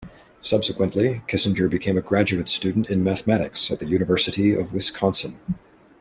Subsequently, Kissinger became a graduate student in mathematics at the University of Wisconsin.